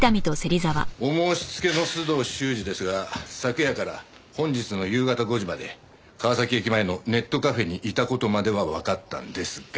お申し付けの須藤修史ですが昨夜から本日の夕方５時まで川崎駅前のネットカフェにいた事まではわかったんですが。